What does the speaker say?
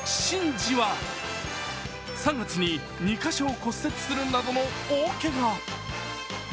詞は３月に２か所を骨折するなどの大けが。